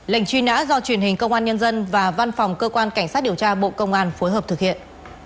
lệnh truy nã do truyền hình công an nhân dân và văn phòng cơ quan cảnh sát điều tra bộ công an phối hợp thực hiện